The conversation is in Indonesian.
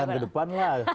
sepekan ke depan lah